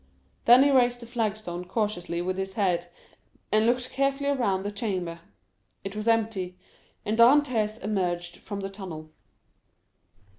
Then he raised the flag stone cautiously with his head, and looked carefully around the chamber. It was empty, and Dantès emerged from the tunnel.